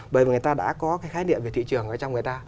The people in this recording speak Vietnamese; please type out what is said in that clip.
bởi vì người ta đã có cái khái niệm về thị trường ở trong người ta